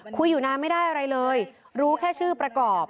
คุยอยู่นานไม่ได้อะไรเลยรู้แค่ชื่อประกอบ